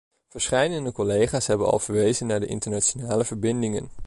Verscheidene collega's hebben al verwezen naar de internationale verbindingen.